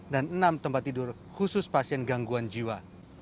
dan enam tempat tidur khusus pasien gangguan jiwa